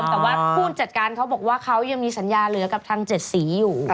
แต่ว่าผู้จัดการเขาบอกว่าเขายังมีสัญญาเหลือกับทาง๗สีอยู่